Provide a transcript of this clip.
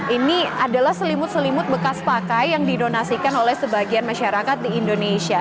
ini adalah selimut selimut bekas pakai yang didonasikan oleh sebagian masyarakat di indonesia